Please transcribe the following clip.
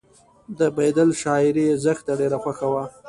د بیدل شاعري یې زښته ډېره خوښه وه